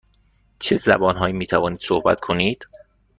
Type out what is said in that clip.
چه زبان هایی می توانید صحبت کنید؟